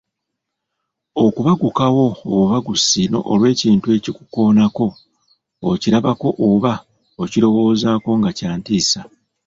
Okubagukawo obubagusi olw’ekintu okukoonako, okukirabako oba okukirowoozaako nga kya ntiisa.